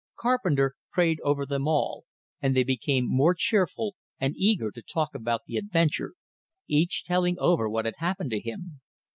Carpenter prayed over them all, and they became more cheerful, and eager to talk about the adventure, each telling over what had happened to him.